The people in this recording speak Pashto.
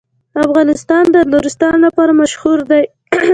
افغانستان د نورستان لپاره مشهور دی.